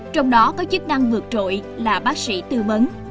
trong đó có chức năng vượt trội là bác sĩ tư vấn